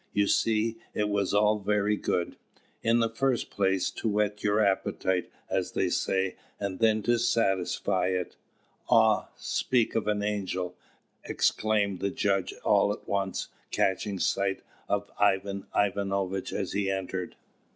You see, it was all very good. In the first place, to whet your appetite, as they say, and then to satisfy it Ah! speak of an angel," exclaimed the judge, all at once, catching sight of Ivan Ivanovitch as he entered.